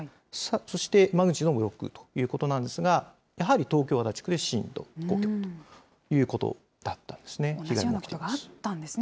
そしてマグニチュードも６ということなんですが、やはり東京・足立区で震度５強ということだったんですね。